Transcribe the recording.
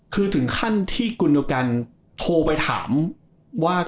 คือถึงขั้นที่กุณกันโทรไปถามว่า